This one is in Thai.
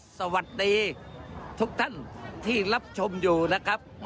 สวัสดีทุกท่านที่รับชมอยู่นะครับ